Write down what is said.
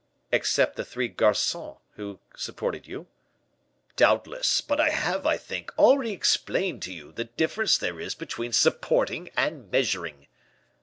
"Except the three garcons who supported you." "Doubtless; but I have, I think, already explained to you the difference there is between supporting and measuring."